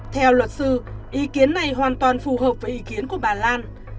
theo luật sư ý kiến này hoàn toàn phù hợp với ý kiến của bà lan